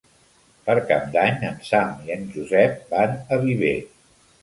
Per Cap d'Any en Sam i en Josep van a Viver.